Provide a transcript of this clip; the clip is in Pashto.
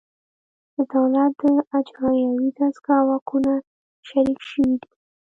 د دولت د اجرایوي دستگاه واکونه شریک شوي دي